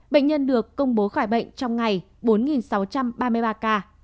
bệnh nhân được công bố khỏi bệnh trong ngày bốn sáu trăm ba mươi ba ca